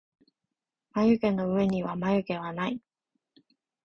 まゆげのうえにはまゆげはない